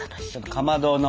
かまどの。